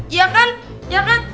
iya kan iya kan